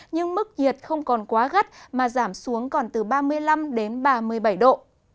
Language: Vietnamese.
nhưng mức nhiệt không còn quá gắt mà giảm xuống còn từ ba mươi năm đến ba mươi bảy độ